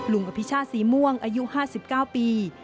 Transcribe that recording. ลุงอภิชาธิ์ศรีม่วงอายุ๕๙ปี